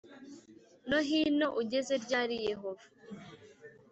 No hino ugeze ryari yehova